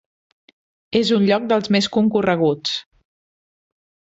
És un lloc dels més concorreguts.